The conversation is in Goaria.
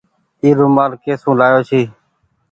اي رومآل ڪي سون لآيو ڇي۔